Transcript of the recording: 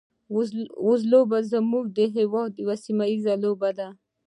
وزلوبه زموږ د هېواد یوه سیمه ییزه لوبه ده.